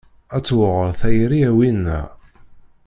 A tewɛer tayri a winna.